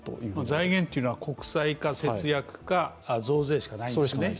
財源というのは国債か節約か増税しかないんですね。